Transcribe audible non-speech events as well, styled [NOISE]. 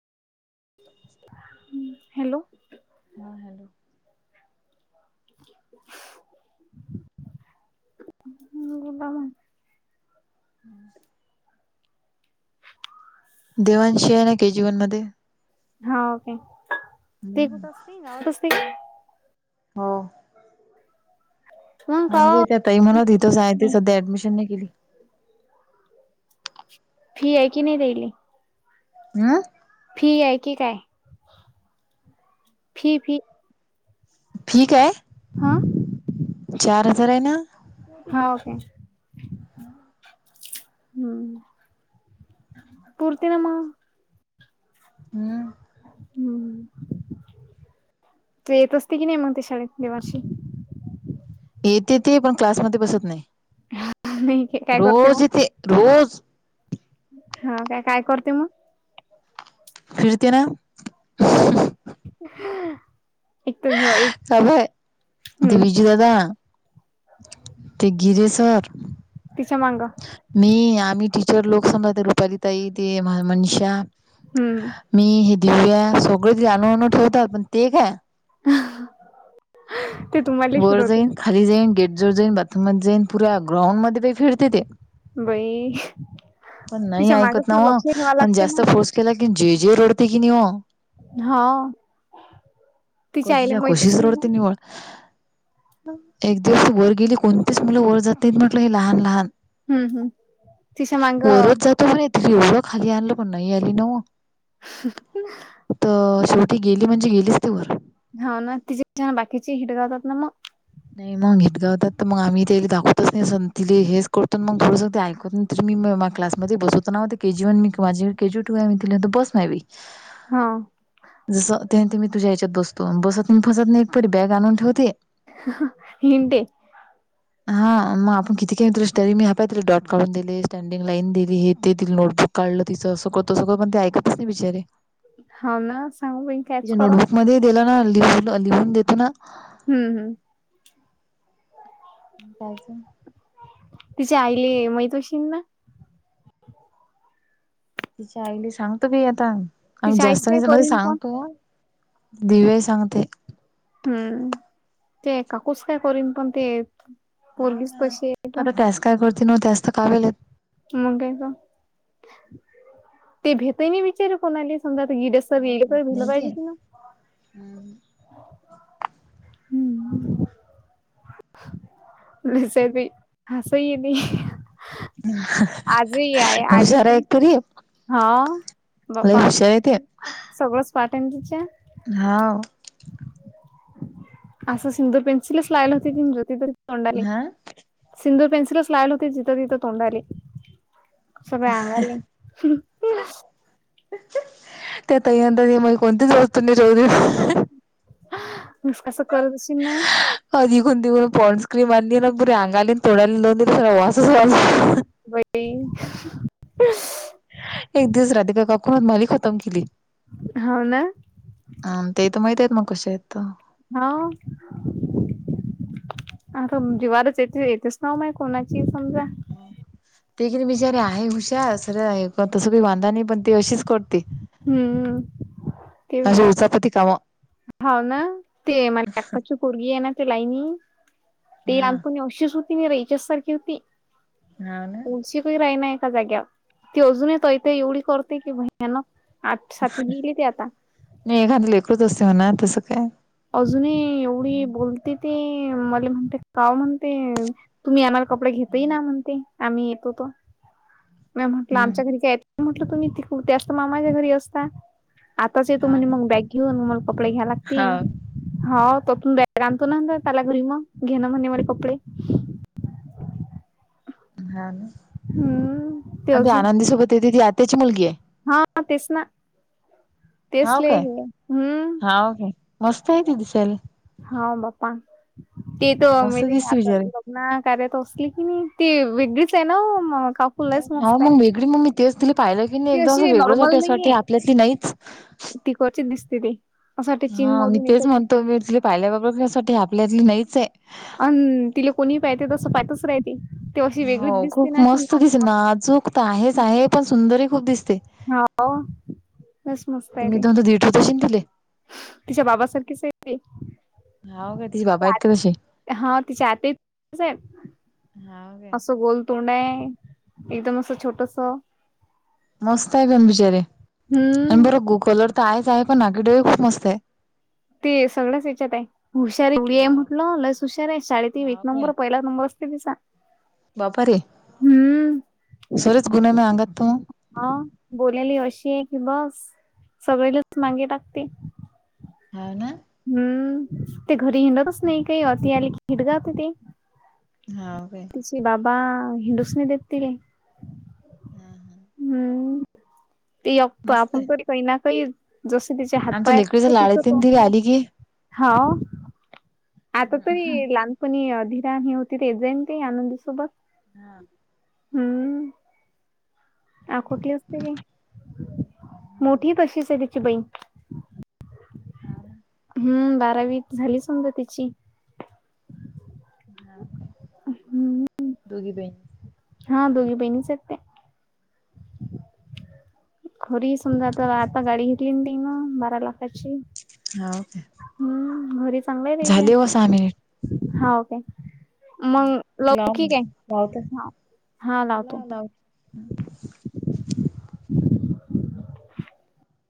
Hello. हा hello. ह बोला न. हम्म. देवांशी आहे ना के जीवनमध्ये हाव काय ते हम्म. कुठं असते, गावात असते काय. हो. मग म्हणजे का त्या ताई म्हणत इथेच आहे ती सध्या ऍडमिशन नाही केली. फि आहे की नाही रेडी. ह.. फी आहे की काय. Fee fee. फी काय. हा चार हजार हे ना. हाव कायं. ह. हम्म. पूरते न मगं. हम्. हम्म. तू येत असते कि नाही मग ते शाळेत देवाषी. येते ते पण क्लासमध्ये बसत नाही नाही काय करते रोज येते रोज. हं.. काय करते मग. फिरते ना. बाई एक [UNINTELLIGIBLE] चालू आहे हम्म विजू दादा ते गिरे सर. तिच्या मांग. मी आम्ही टीचर लोकं समजा ते रुपाली ताई तेे मनीषा. हम्म. मी हे दिव्या सगळेच अनू अनू ठेवतात. पण ते काय [UNINTELLIGIBLE] ती तुमा वर जाईन खाली जाईन गेट जवळ जाईन बाथरूम मध्ये जाईन पुऱ्या ग्राउंड मध्ये ती बाई फिरते ती. बई. पण नाही ऐकत ना ओ आणि ना जास्त फोर्स केला की जे जे रडते की नाही ओ. हा तिच्या कशी आईला आहे माहित कशीच असेल ना रडते निवळ. एक दिवस वर गेली. कोणतीच मुलं वर जात नाही म्हटलं हे लहान लहान. हम्म हम्. तिच्या मांग वरच जातो एवढं खाली आणलं पण नाही आली ना ओ. तर शेवटी गेली म्हणजे गेलीच ती वर. हो ना तिची छान बाकीची हिट गावतात ना मग. नाही मग हीतगावतात तर मग आम्ही तेले दाखवतच नाही. असं तिले हेच कळत न मग थोडंसं ते ऐकत. तर मी क्लासमध्ये बसवतो. नाव ते के जी वन मी माझे केजी टू आहे मी तिला बस नाहीवी. हा.. जसं ते मी तुझ्या हेच्यात बसतो. बसत नाही फसत नाही एक परी बॅग आणून ठेवते. हिंट दे. हा मग आपण किती खेऊ त स्टरी मी हायला डॉट काढून दिले स्टँडिंग लाईन दिली हे तेतील नोटबुक. काढलं तिचं सगळं तरी पण ऐकत नाय बिचारी. ह ना सांगूप कायच करा. मध्ये दिला ना, लिहून लिहून देतो ना. हम्म हम्म. कायच. तिचे आयले माहित अशील ना. तिच्या आईली सांगतो बी आता, काव तिच्या आईच जास्तं काय जनाल करीन पण सांगतो. दिवे सांगते. हम्म. ते काकूस काय करीन पण ते येत. हा आता टॅस काय करते नव्ह त्यास्त कावेल. मग काय तर ते भेताय नाही बेचार कोणाले समजा आता ईडस. [UNINTELLIGIBLE] हम हम.. हम्म [UNINTELLIGIBLE] हसाय येते. आजही आई आली होती. कधी. हाव‌ बापा. [UNINTELLIGIBLE] सगळंच पार्ट टाईमच्या. हाव. असं सिंधूर पेन्सिलच लागल होती. कणी ती तर तोंडाले. हां. सिंदूर पेन्सलच लागल होते जिथं तिथं तोंडाले. सगळ्या अंगाले. त्यात अंदा मग कोणतीच वस्तू नाही राहिली. म असं करतशील ना. अ तघून तघून पॉन्स क्रीम आणली. ना पुरी अंगाली तोड्याला लावून दिले सगळा वासच वास. बाई. [INAUDIBLE] एक दिवस राधिका काकूंना मालिका खतम केली. हो ना. अ ते तर माहितयेत मग कशेत. हा. आता दिवारच येते येतेच नाव मग कोणाची आहे समजा. ते किती बिचारे आहे हुशार सरळ आहे. तसं काही बांधा नाही पण ती अशीच करते. हम्म ते असे उचापती काम. हाव ना ती माय्याकाची पोरगी हाय ना ती लायनी. ती हा लहानपणी अशीच होती हिच्यासारखीच होती. हाव ना. तळशीकही राहीना एका जाग्यावर. ती अजूनही तै तै एवढी करते की भैयानक. आठ सातवी ला गेली ती आता. नाही एखादं लेकरु चं असते म्हणा तसं काय. अजून ही एवढी बोलते ती. मला म्हणते काव म्हणते तुम्ही आम्हाला. कपडे घेत ही ना म्हणती आम्ही येतो तर. म्या म्हटलं हम्म आमच्या घरी काय येत मी म्हटलं तुम्ही तिकुड त्याच मामाच्या घरी असता. आताच येतो हा म्हणे मंग बॅग घेऊन मला कपडे घ्या हा लागतीन. हा तर तुम बॅग आणतो ना अंदर त्याला घरी मंग घेणं म्हणे मले कपडे. हा ना हम्म आन ते अजून आनंदी सोबत येते ती आत्याची मुलगी आहे? हा तेच ना. तेच हाव काय [UNINTELLIGIBLE] हम्म. हाव काय मस्त आहे ती दिसायला हाव बप्पा ती तो मस्त अमेझिंग दिसते आहे. बिचारी [UNINTELLIGIBLE] ना कार्य तो असली की नी ती वेगळीच आहे ना महा का हा मंग वेगळी मंग मी तेच तिली पाहिलं की नाय ती एकदम असं अशी वेगळंच वाटे असं वाटते आपल्यातली नाहीच तीकडची दिसते ती असं वाटते चीनमधून याच्यात [UNINTELLIGIBLE] पाहील्या [UNINTELLIGIBLE] साठी आपल्यातली नाहीच आहे. अन तिले कोणी पाहते तसं पाहतच राहते. ती अशी हो वेगळीच दिसते खूप ना अशी मस्त दिसे नाजूक तर आहेच आहे पण सुंदर ही खूप दिसते. हाव. लईच मस्त ते आहे मी ती. दोन [UNINTELLIGIBLE] ठेवते अशीन दिले. तिच्या बाबा सारखीच आहे ती. हाव काय तिचे बाबा आहेत का तशे? हा तिच्या आत्ये तेच आहे हाव काय. असं गोल तोंड आहे एकदम असं छोटस. मस्त आहे पण बिचारी आणि हम्म बरं गू कलर तर आहेच आहे पण नाकी डोळे खूप मस्त आहे. ते सगळंच हेच्यात आहे हुशारी केवडी आहे हाव म्हटलं लईच हुशार आहे शाळेत ही एक हाव नंबर पहिला नंबरस कीती सा बापारे सरच गुण आहे ना अंगात म. हा बोलायले अशी आहे की बस सगळेलच मांगे टाकते. हा ना. हम्म ते घरी हिंडतच नाय काय वाती आले की हिडगावते ते. हाव काय. तिचे बाबा हिंडूस नाय देेत तीले. ना हां. हम्म ते एकटो मस्त आपन आहे. तरी काही ना काही जसं तिचे हात आमच्या पाया [INAUDIBLE] लेकडीच्या तसं तिचं लाडीतीन ती तोंड आहे. आली की. हाव आता तरी हा लान क नी धीरा आणि हे होती ते येत जायन ते आनंदी सोबत. हा. हम्म. आकोटले असते ते. मोठी तशीच आहे तिची बहीण. हा ना. हम्म बारावी झाली समजा तिची. हाव काय हम्म. दुधी बेन हा दोघी बहिणीच आहे ते. खरी ही समजा आता आता गाडी घेतली तेनं बारा लाखाची. हाव काय. हम्म घरी चांगलय तेच्या सहा मिनिट हाव काय. मग लवकिक आहे हा लावतो. [INAUDIBLE]